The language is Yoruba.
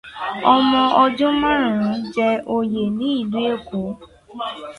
Ọmọ ọdún márùn-ún jẹ oyè nílùú Èkó.